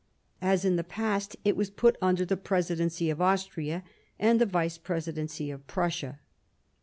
As in the past, it was put under the presidency of Austria, and the vice presidency of Prussia.